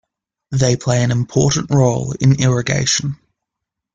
They play important role in irrigation.